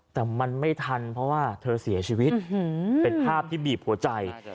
แต่มันไม่ทันเพราะว่าเธอเสียชีวิตเป็นภาพที่บีบหัวใจ